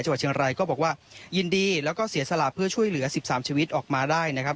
จังหวัดเชียงรายก็บอกว่ายินดีแล้วก็เสียสละเพื่อช่วยเหลือ๑๓ชีวิตออกมาได้นะครับ